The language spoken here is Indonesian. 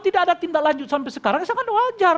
tidak ada tindak lanjut sampai sekarang sangat wajar